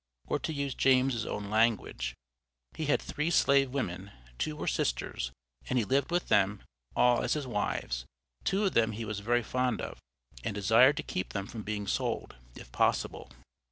Or to use James's own language, "he had three slave women; two were sisters, and he lived with them all as his wives; two of them he was very fond of," and desired to keep them from being sold if possible.